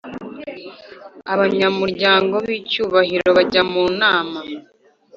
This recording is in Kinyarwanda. Abanyamuryango b icyubahiro bajya mu nama